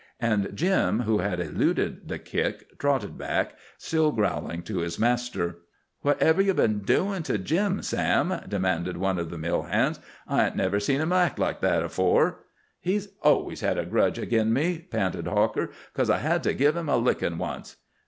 And Jim, who had eluded the kick, trotted back, still growling, to his master. "Whatever ye been doin' to Jim, Sam?" demanded one of the mill hands. "I ain't never seen him act like that afore." "He's always had a grudge agin me," panted Hawker, "coz I had to give him a lickin' once."